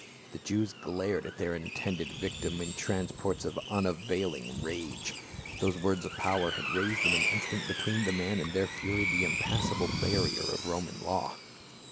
The Jews glared at their intended victim in transports of unavailing rage, those words of power had raised in an instant between the man and their fury the impassable barrier of Roman law.